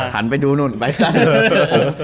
หันไปดูนู่นไปตั้ง